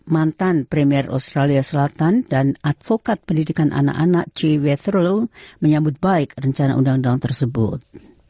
mantan premier australia selatan dan advokat pendidikan anak anak j wetter roll menyambut baik rencana undang undang tersebut